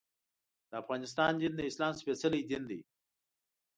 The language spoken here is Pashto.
د افغانستان دین د اسلام سپېڅلی دین دی.